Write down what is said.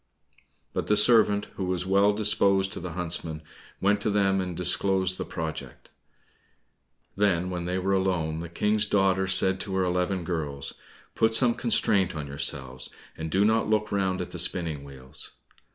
But the servant, who was well disposed to the huntsmen, went to them, and disclosed the project. Then when they were alone the King's daughter said to her eleven girls, "Put some constraint on yourselves, and do not look round at the spinning wheels."